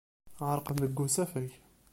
Ɛerqent deg usafag.